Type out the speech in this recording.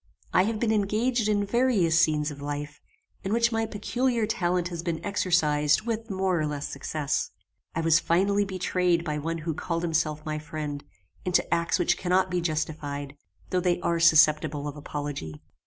I have been engaged in various scenes of life, in which my peculiar talent has been exercised with more or less success. I was finally betrayed by one who called himself my friend, into acts which cannot be justified, though they are susceptible of apology.